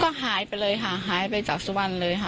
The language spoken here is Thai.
ก็หายไปเลยค่ะหายไปจากสุวรรณเลยค่ะ